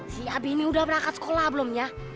si abi ini udah berangkat sekolah belum ya